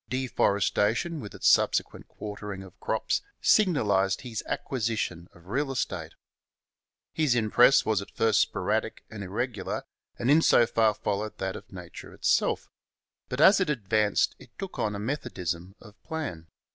De forestation with its subsequent quartering of crops signalized his acquisition of real estate. His impress at first was sporadic and irregular, and in so far fol lowed that of nature itself ; but as it advanced it took on a methodisrn of plan.